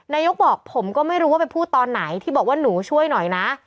นายกบอกผมก็ไม่รู้ว่าไปพูดตอนไหนที่บอกว่าหนูช่วยหน่อยนะ